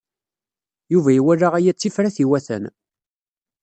Yuba iwala aya d tifrat iwatan.